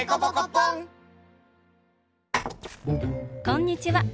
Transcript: こんにちは。